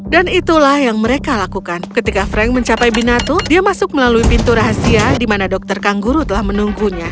dan itulah yang mereka lakukan ketika frank mencapai binatu dia masuk melalui pintu rahasia di mana dokter kanguru telah menunggunya